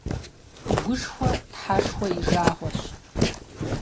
Гушхуэ тхьэшхуэ и жагъуэщ.